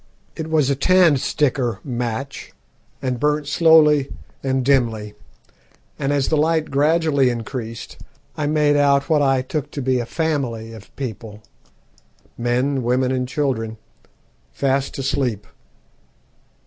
It was a 'tandstickor' match, and burnt slowly and dimly, and as the light gradually increased I made out what I took to be a family of people, men, women, and children, fast asleep.